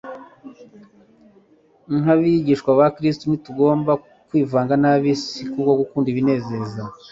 Nk’abigishwa ba Kristo, ntitugomba kwivanga n’ab’isi kubwo gukunda ibinezeza,